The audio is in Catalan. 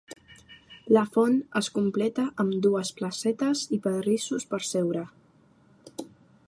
La font es completa amb dues placetes i pedrissos per seure.